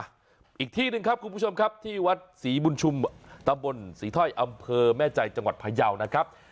อีกที่หนึ่งครับคุณผู้ชมครับที่วัดศรีบุญชุมตำบลศรีถ้อยอำเภอแม่ใจจังหวัดพยาวนะครับ